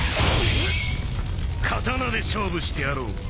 刀で勝負してやろう。